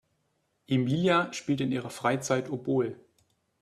Emilia spielt in ihrer Freizeit Oboe.